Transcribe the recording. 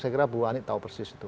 saya kira bu ani tahu persis itu